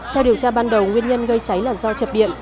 theo điều tra ban đầu nguyên nhân gây cháy là do chập điện